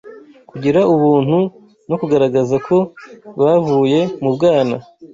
kugira ubuntu no kugaragaza ko bavuye mu bwana.